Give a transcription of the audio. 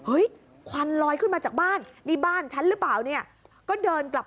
อุ้ยควันลอยขึ้นมาจากบ้านนี่บ้านฉันรึเปล่า